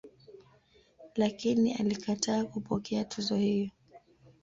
Lakini alikataa kupokea tuzo hiyo.